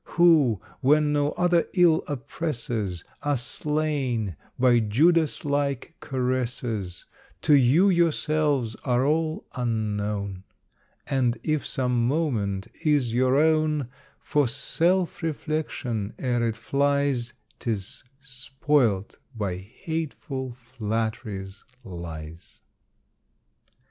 ] Who, when no other ill oppresses, Are slain by Judas like caresses, To you yourselves are all unknown; And if some moment is your own, For self reflection, ere it flies 'Tis spoilt by hateful flattery's lies.